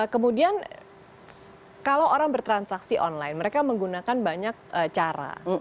kemudian kalau orang bertransaksi online mereka menggunakan banyak cara